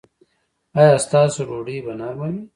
ایا ستاسو ډوډۍ به نرمه وي؟